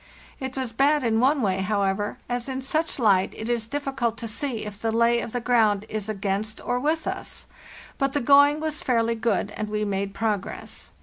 It was bad in one way, how ever, as in such a light it is difficult to see if the lay of the ground is against or with us; but the going was fairly good, and we made progress.